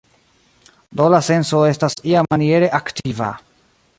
Do la senso estas iamaniere aktiva.